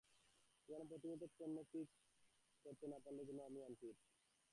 সেখানে প্রতিমুহূর্তে পণ্য পিক করতে না পারলে যেন আমি আনফিট।